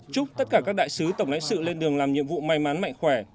chúc tất cả các đại sứ tổng lãnh sự lên đường làm nhiệm vụ may mắn mạnh khỏe